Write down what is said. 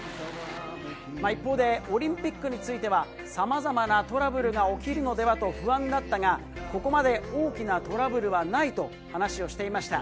一方で、オリンピックについては、さまざまなトラブルが起きるのではと不安があったが、ここまで大きなトラブルはないと話をしていました。